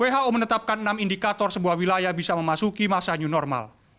who menetapkan enam indikator sebuah wilayah bisa memasuki masa new normal